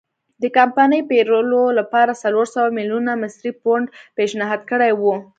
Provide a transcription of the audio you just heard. د کمپنۍ پېرلو لپاره څلور سوه میلیونه مصري پونډ پېشنهاد کړي وو.